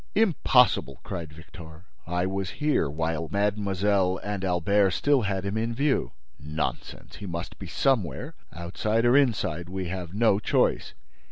"Impossible!" cried Victor. "I was here while mademoiselle and Albert still had him in view." "Nonsense, he must be somewhere! Outside or inside: we have no choice!"